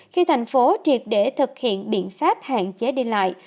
khi thành phố triệt để thực hiện biện pháp hạn chế đi lại